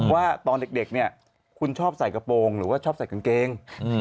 ว่าตอนเด็กเนี่ยคุณชอบใส่กระโปรงหรือว่าชอบใส่กางเกง